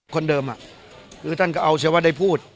คนเดิมคือท่านก็เอาชีวะได้พูด